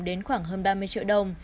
đến khoảng hơn ba mươi triệu đồng